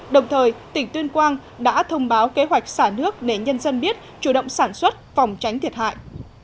đồng thời tỉnh tuyên quang đã thông báo kế hoạch xả nước để nhân dân biết chủ động sản xuất phòng tránh thiệt hại